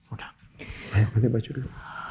udah pakai baju dulu